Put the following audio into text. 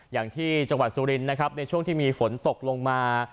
อย่างที่จังหวัดสุรินนะครับในช่วงที่มีฝนตกลงมา